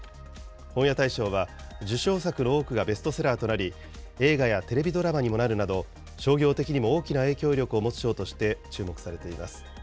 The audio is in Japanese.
本屋大賞は、受賞作の多くがベストセラーとなり、映画やテレビドラマにもなるなど、商業的にも大きな影響力を持つ賞として注目されています。